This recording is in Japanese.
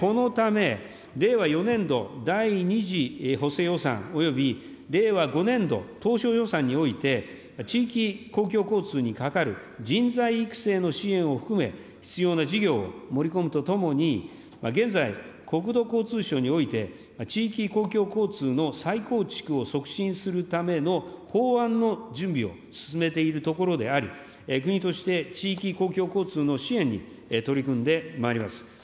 このため、令和４年度第２次補正予算および令和５年度当初予算において、地域公共交通にかかる人材育成の支援を含め、必要な事業を盛り込むとともに、現在、国土交通省において、地域公共交通の再構築を促進するための法案の準備を進めているところであり、国として地域公共交通の支援に取り組んでまいります。